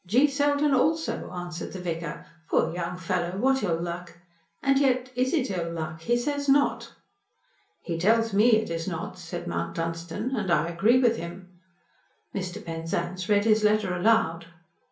"G. Selden also," answered the vicar. "Poor young fellow, what ill luck. And yet is it ill luck? He says not." "He tells me it is not," said Mount Dunstan. "And I agree with him." Mr. Penzance read his letter aloud.